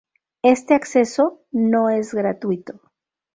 Este acceso no es gratuito.